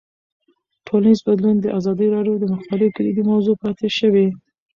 ټولنیز بدلون د ازادي راډیو د مقالو کلیدي موضوع پاتې شوی.